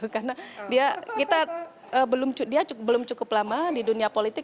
karena dia belum cukup lama di dunia politik